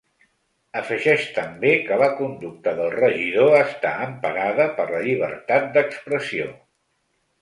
Afegeix també que la conducta del regidor està emparada per la llibertat d’expressió.